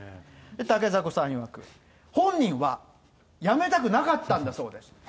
竹迫さんいわく、本人は辞めたくなかったんだそうです。